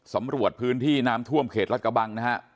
สำรวจพื้นที่น้ำท่วมเขตรัฐกระบังนะฮะ